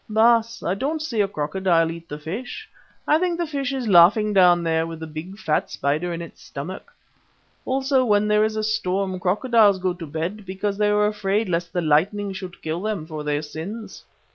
"Baas, I didn't see a crocodile eat the fish. I think the fish is laughing down there with the fat spider in its stomach. Also when there is a storm crocodiles go to bed because they are afraid lest the lightning should kill them for their sins."